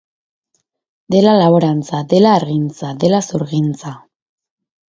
Dela laborantza, dela hargintza, dela zurgintza.